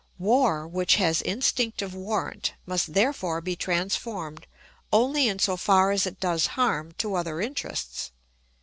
War, which has instinctive warrant, must therefore be transformed only in so far as it does harm to other interests.